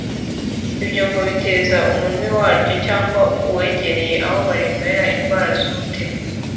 Ibyo ngo biteza umunywi waryo cyangwa uwegereye aho barinywa indwara z’umutima